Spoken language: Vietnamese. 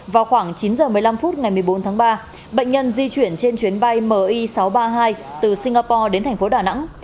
vào khoảng chín h một mươi năm phút ngày một mươi bốn tháng ba bệnh nhân di chuyển trên chuyến bay mi sáu trăm ba mươi hai từ singapore đến thành phố đà nẵng